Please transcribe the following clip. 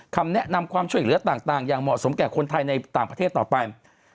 คำแนะนำความช่วยเหลือต่างอย่างเหมาะสมแก่คนไทยในต่างประเทศต่อไป